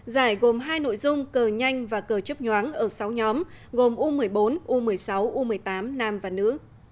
giải gồm hai nội dung cờ nhanh và cờ chớp nhoáng ở sáu nhóm gồm u một mươi bốn u một mươi sáu u một mươi tám nam và nữ